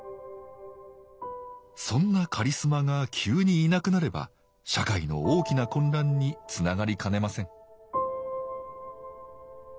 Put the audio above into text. そんなカリスマが急にいなくなれば社会の大きな混乱につながりかねません